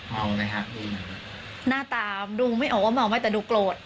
เมาไหมฮะดูหน่อยหน้าตามดูไม่ออกว่าเมาไม่แต่ดูโกรธ